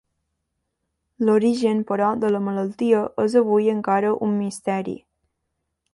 L'origen, però, de la malaltia, és avui encara un misteri.